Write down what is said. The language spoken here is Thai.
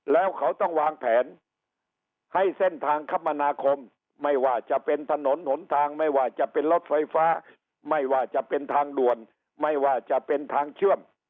แล้วเขาต้องวางแผนให้เส้นทางคมนาคมไม่ว่าจะเป็นถนนหนทางไม่ว่าจะเป็นรถไฟฟ้าไม่ว่าจะเป็นทางด่วนไม่ว่าจะเป็นทางเชื่อม